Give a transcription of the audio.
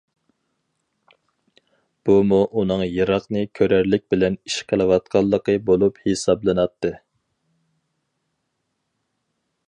بۇمۇ ئۇنىڭ يىراقنى كۆرەرلىك بىلەن ئىش قىلىۋاتقانلىقى بولۇپ ھېسابلىناتتى.